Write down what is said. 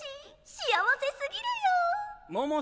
幸せすぎるよ！